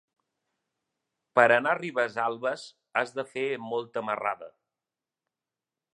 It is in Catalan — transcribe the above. Per anar a Ribesalbes has de fer molta marrada.